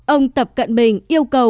ông tập cận bình